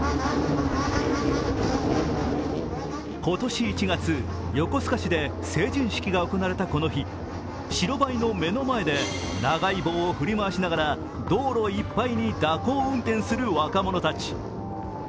今年１月、横須賀市で成人式が行われたこの日、白バイの目の前で長い棒を振り回しながら道路いっぱいに蛇行運転する若者たち。